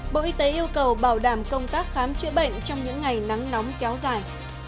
bộ y tế yêu cầu bảo đảm công tác khám chữa bệnh trong những ngày nắng nóng kéo dài